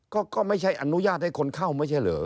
ก็ไม่ใช่อนุญาตให้คนเข้าไม่ใช่เหรอ